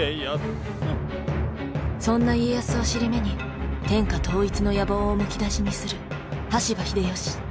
そんな家康を尻目に天下統一の野望をむき出しにする羽柴秀吉。